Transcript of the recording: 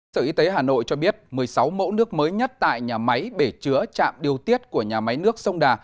sở y tế hà nội cho biết một mươi sáu mẫu nước mới nhất tại nhà máy bể chứa chạm điều tiết của nhà máy nước sông đà